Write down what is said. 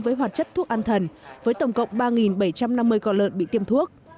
với hoạt chất thuốc an thần với tổng cộng ba bảy trăm năm mươi con lợn bị tiêm thuốc